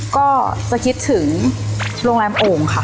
ก็จะคิดถึงโรงแรมโอ่งค่ะ